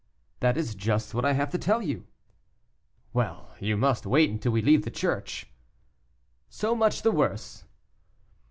"That is just what I have to tell you." "Well, you must wait until we leave the church." "So much the worse."